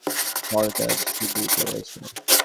ফলে তারা সুদৃঢ় রয়েছেন।